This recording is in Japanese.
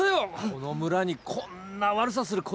この村にこんな悪さする子供はいない。